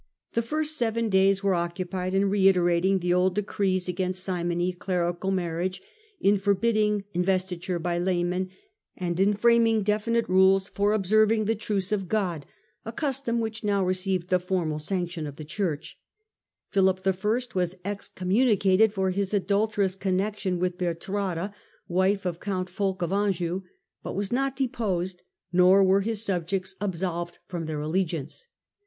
The first seven days were jjij occupied in jmterating the old decrees against simony, ^j clerical marriage,/ in forbidding investiture by laymen, and in framing d4finite rules for observing ttie ' Truce of Grod,' a custom which now received the formal sanc • tion of the Church. Philip I. was excommunicated for his adulterous connexion with Bertrada, wife of count Fulk of Anjou, but was not deposed, nor were his subjects I absolved from their allegiance.